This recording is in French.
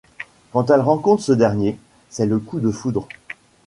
Quand elle rencontre ce dernier, c'est le coup de foudre.